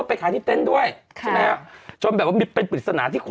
ไม่มันหลบลงไป